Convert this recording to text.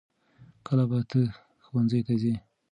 کله به ته ښوونځي ته ځې؟